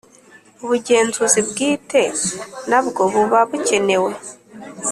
Ubugenzuzi bwite nabwo buba bukenewe